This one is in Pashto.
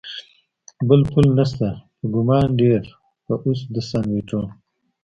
بل پل نشته، په ګمان ډېر به اوس د سان وېټو.